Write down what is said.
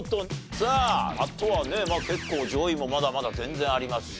さああとはね結構上位もまだまだ全然ありますし。